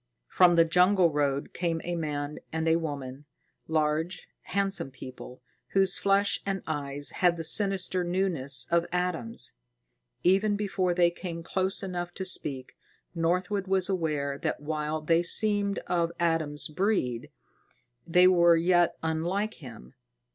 From the jungle road came a man and a woman, large, handsome people, whose flesh and eyes had the sinister newness of Adam's. Even before they came close enough to speak, Northwood was aware that while they seemed of Adam's breed, they were yet unlike him.